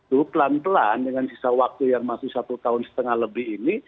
itu pelan pelan dengan sisa waktu yang masih satu tahun setengah lebih ini